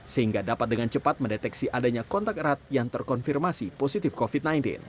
sehingga dapat dengan cepat mendeteksi adanya kontak erat yang terkonfirmasi positif covid sembilan belas